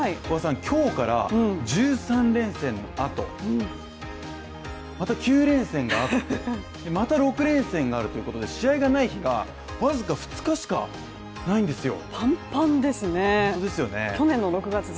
今日から１３連戦の後、また９連戦があって、また６連戦があるということで試合がない日が、わずか２日しかないんですよ。